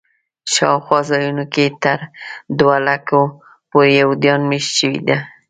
شاوخوا ځایونو کې تر دوه لکو پورې یهودان میشت شوي دي.